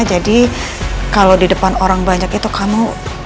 jadi kalau di depan orang banyak itu kamu